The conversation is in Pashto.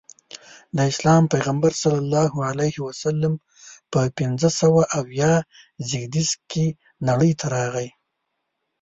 د اسلام پیغمبر ص په پنځه سوه اویا زیږدیز کې نړۍ ته راغی.